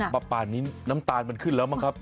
ปลาป่านี้น้ำตาลมันขึ้นแล้วมั้งครับ